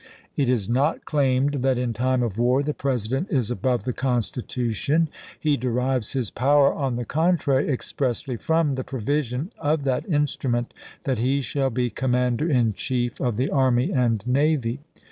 It is not claimed that in time of war the President is above the Constitu tion. He derives his power, on the contrary, expressly from the provision of that instrument that he shall be Commander in Chief of the army and navy.